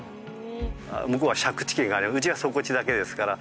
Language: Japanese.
向こうは借地権があるうちは底地だけですから。